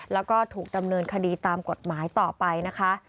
แล้วก็ถูกดำเนินคดีตามกฎหมายต่อไปนะคะ